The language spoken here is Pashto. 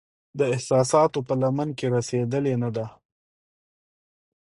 د احساساتو په لمن کې رسیدلې نه دی